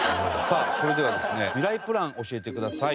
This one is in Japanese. さあそれではですねミライプラン教えてください。